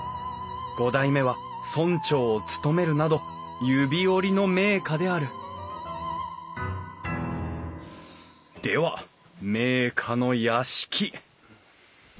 五代目は村長を務めるなど指折りの名家であるでは名家の屋敷。